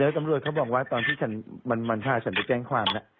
แล้วสำรวจเขาบอกว่าตอนที่มันพาฉันไปแจ้งความ